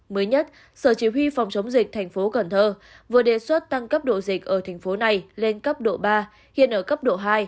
mới nhất sở chỉ huy phòng chống dịch tp hcm vừa đề xuất tăng cấp độ dịch ở thành phố này lên cấp độ ba hiện ở cấp độ hai